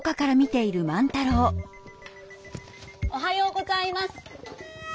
おはようございます。